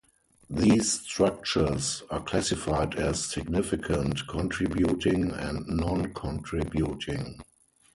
These structures are classified as Significant, Contributing, and Non-Contributing.